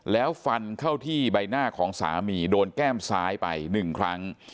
แล้วฟันเข้าที่ใบหน้าของสามีโดนแก้มซ้ายไป๑ครั้ง